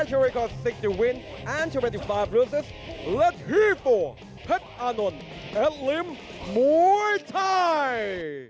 สวัสดีครับสวัสดีครับ